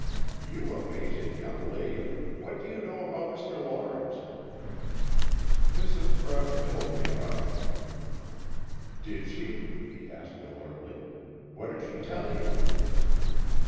"You amazing young lady! What do you know about Mr. Lawrence?" "Mrs. Broughton told me about him." "Did she?" he asked alertly. "What did she tell you?"